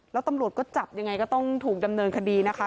แล้วตำรวจก็จับยังไงก็ต้องถูกดำเนินคดีนะคะ